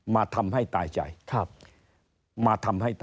มาทำให้ตายใจ